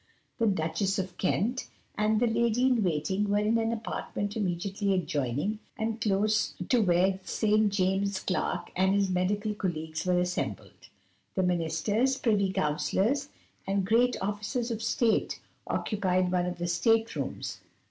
The Duchess of Kent and the Lady in Waiting were in an apartment immediately adjoining, and close to where Sir James Clark and his medical colleagues were assembled. The Ministers, Privy Councillors, and Great Officers of State occupied one of the state rooms.